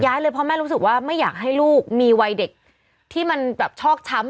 เลยเพราะแม่รู้สึกว่าไม่อยากให้ลูกมีวัยเด็กที่มันแบบชอกช้ำ